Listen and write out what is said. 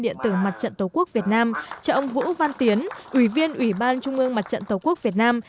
điện tử mặt trận tổ quốc việt nam cho ông vũ văn tiến ủy viên ủy ban trung ương mặt trận tổ quốc việt nam